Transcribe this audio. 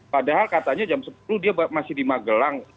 padahal katanya jam sepuluh dia masih di magelang